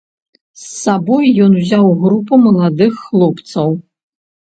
З сабой ён узяў групу маладых хлопцаў.